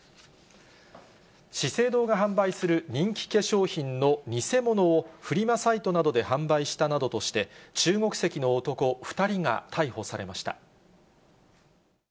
資生堂が販売する人気化粧品の偽物をフリマサイトなどで販売したなどとして、中国籍の男２人が逮捕されました。